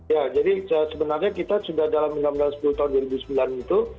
ya jadi sebenarnya kita sudah dalam undang undang sepuluh tahun dua ribu sembilan itu